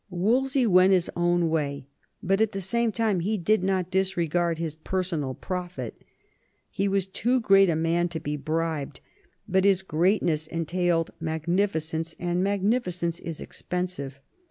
Wolsey went his own way ; but at the same time he did not disregard his personal profit He was too great a man to be bribed; but his greatness entailed magnifi cence, and magnificence is expensive.